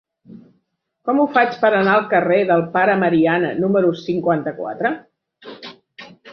Com ho faig per anar al carrer del Pare Mariana número cinquanta-quatre?